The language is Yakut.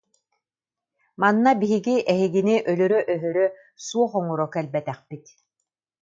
Манна биһиги эһигини өлөрө-өһөрө, суох оҥоро кэлбэтэхпит